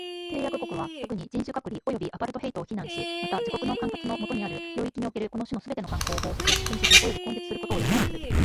締約国は、特に、人種隔離及びアパルトヘイトを非難し、また、自国の管轄の下にある領域におけるこの種のすべての慣行を防止し、禁止し及び根絶することを約束する。